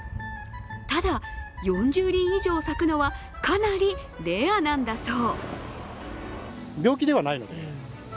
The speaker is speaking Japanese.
ただ、４０輪以上咲くのはかなりレアなんだそう。